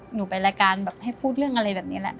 หนูไปรายการแบบให้พูดเรื่องอะไรแบบนี้แหละ